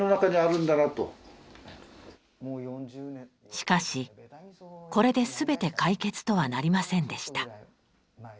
しかしこれで全て解決とはなりませんでした。